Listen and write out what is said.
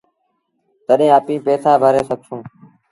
تڏهيݩ اپيٚن پئيٚسآ ڀري سگھسون